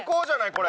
これ。